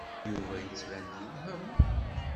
Yuba yettban-d yewhem.